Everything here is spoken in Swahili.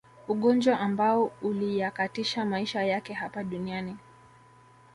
Ugonjwa ambao uliyakatisha maisha yake hapa duniani